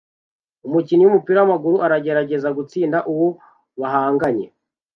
Umukinnyi wumupira wamaguru aragerageza gutsinda uwo bahanganye